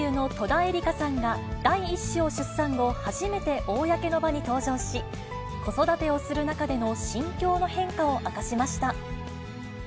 俳優の戸田恵梨香さんが、第１子を出産後、初めて公の場に登場し、子育てをする中での心境の変化を明かしました。